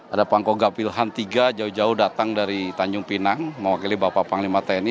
ada pangko gapilhan tiga jauh jauh datang dari tanjung pinang mewakili bapak panglima tni